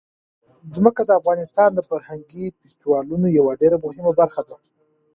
ځمکه د افغانستان د فرهنګي فستیوالونو یوه ډېره مهمه برخه ده.